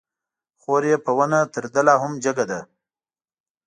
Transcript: خور يې په ونه تر ده لا هم جګه ده